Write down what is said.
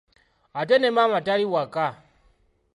Ate ne maama tali waka.